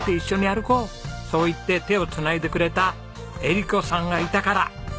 そう言って手を繋いでくれた絵理子さんがいたから。